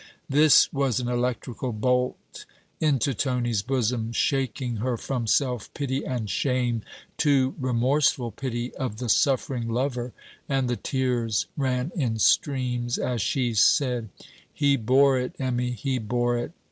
This was an electrical bolt into Tony's bosom, shaking her from self pity and shame to remorseful pity of the suffering lover; and the tears ran in streams, as she said: 'He bore it, Emmy, he bore it.'